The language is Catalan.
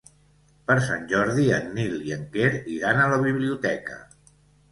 Per Sant Jordi en Nil i en Quer iran a la biblioteca.